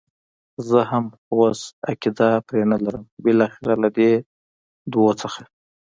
زه هم، خو اوس عقیده پرې نه لرم، بالاخره له دې دوو څخه.